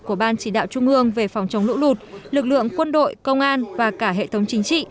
của ban chỉ đạo trung ương về phòng chống lũ lụt lực lượng quân đội công an và cả hệ thống chính trị